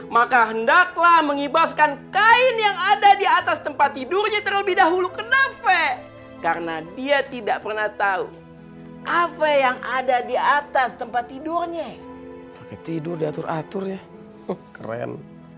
maka hendaklah mengibaskan kain yang ada di atas tempat tidurnya terlebih dahulu kena ve karena dia tidak pernah tahu ave yang ada di atas tempat tidurnya tidur diatur aturnya keren